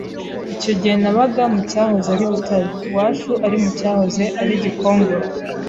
Icyo gihe nabaga mu cyahoze ari Butare, iwacu ari mu cyahoze ari Gikongoro